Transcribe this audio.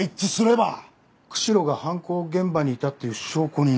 釧路が犯行現場にいたっていう証拠になる？